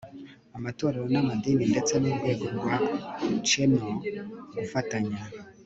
amatorero n'amadini ndetse n'urwego rwa cheno gufatanya